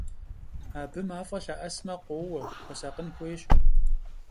Абы мафӀэ лъэӀэсмэ къоуэ, хуэсакъын хуейщ!